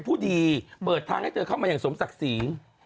กูสาปเปิดทางแค้นเชิญเข้ามาอย่างสมศักดิ์